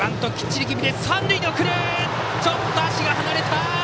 ちょっと足が離れた！